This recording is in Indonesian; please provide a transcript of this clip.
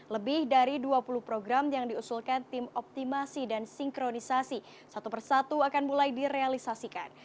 lebih dari dua puluh program yang diusulkan tim optimasi dan sinkronisasi satu persatu akan mulai direalisasikan